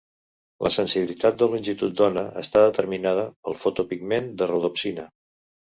La sensibilitat de longitud d'ona està determinada pel fotopigment de rodopsina.